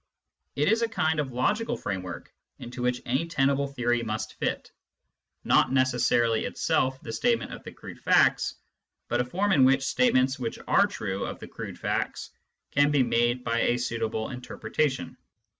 It is a kind of logical framework into which any tenable theory must fit — not necessarily itself the statement of the crude facts, but a form in which statements which are true of the crude facts can be made by a suitable interpretation.